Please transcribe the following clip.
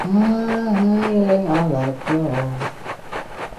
তিনি তার নাম রাখেন শাহজাদা খানম এবং আনন্দ উদযাপনের আদেশ দেন।